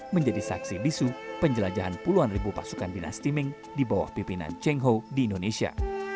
menjadi saksi bisu penjelajahan puluhan ribu pasukan dinasti ming di bawah pimpinan chengho di indonesia